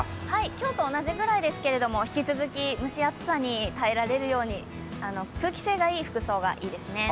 今日と同じぐらいですが、引き続き蒸し暑さに耐えられるように通気性がいい服装がいいですね。